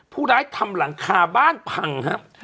ผู้ร้ายทำหลังคาบ้านพังครับ